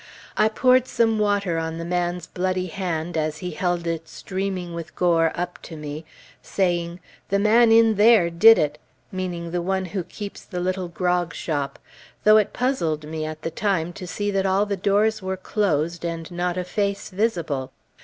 I poured some water on the man's bloody hand, as he held it streaming with gore up to me, saying, "The man in there did it," meaning the one who keeps the little grog shop, though it puzzled me at the time to see that all the doors were closed and not a face visible.